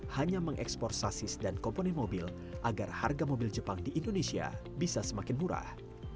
hanya mengekspor sasis dan komponen mobil agar harga mobil jepang di indonesia bisa semakin murah